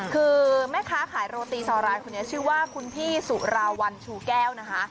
คือแม่ค้าขายโรตีซอรายคนนี้ชื่อว่าคุณพี่สุราวัลชูแก้วนะคะ